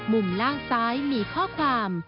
ล่างซ้ายมีข้อความ